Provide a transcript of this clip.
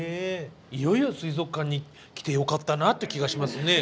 いよいよ水族館に来てよかったなっていう気がしますね。